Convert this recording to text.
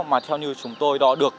mà theo như chúng tôi đo được